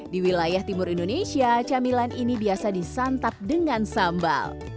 di wilayah timur indonesia camilan ini biasa disantap dengan sambal